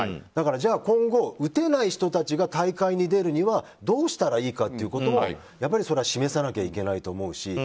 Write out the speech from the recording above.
だからじゃあ今後打てない人たちが大会に出るにはどうしたらいいかということもやっぱり示さなきゃいけないと思うし。